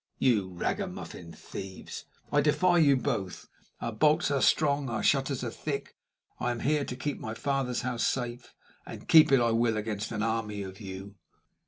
You ragamuffin thieves, I defy you both! Our bolts are strong, our shutters are thick. I am here to keep my father's house safe, and keep it I will against an army of you!"